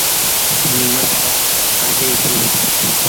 ائيو مت ڪر پڙجآئي تو۔